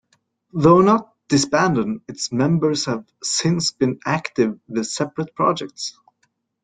Though not disbanded, its members have since been active with separate projects.